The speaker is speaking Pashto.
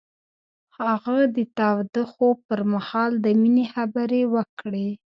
هغه د تاوده خوب پر مهال د مینې خبرې وکړې.